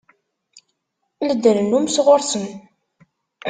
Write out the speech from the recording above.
La d-rennun sɣur-sen.